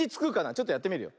ちょっとやってみるよ。